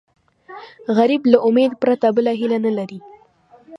غریب له امید پرته بله هیله نه لري